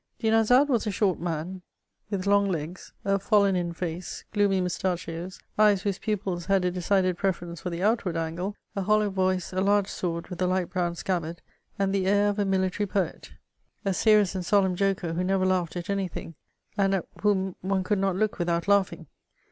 Dinarzade was a short man, with long^ legs, a fallen in face, gloomy moustachios, eyes whose pupils had a decided preference for the outward angle, a hollow Tcnce, a large sword with a light brown scabbard, and the air of a military poet ; a serious and solemn joker, who never laughed at any thing, and at whom one could not look with out laughing.